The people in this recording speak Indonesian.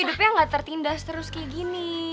biar lo tuh hidupnya gak tertindas terus kayak gini